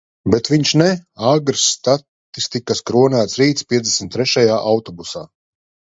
Bet viņš ne. Agrs, statistikas kronēts rīts piecdesmit trešajā autobusā.